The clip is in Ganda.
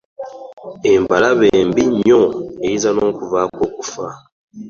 Embalabe mbi nnyo eyinza n'okuvaako okufa.